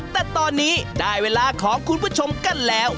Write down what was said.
แต่ตอนนี้ได้เวลาของคุณผู้ชมกันแล้ว